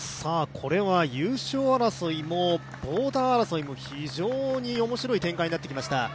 これは優勝争いもボーダー争いも非常に面白い展開になってきました。